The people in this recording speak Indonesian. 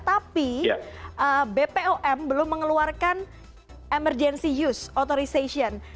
tapi bpom belum mengeluarkan emergency use authorization